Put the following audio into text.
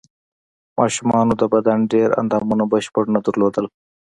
ماشومانو د بدن ډېر اندامونه بشپړ نه درلودل.